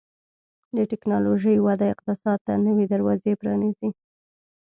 د ټکنالوژۍ وده اقتصاد ته نوي دروازې پرانیزي.